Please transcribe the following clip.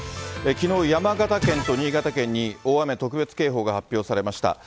きのう、山形県と新潟県に、大雨特別警報が発表されました。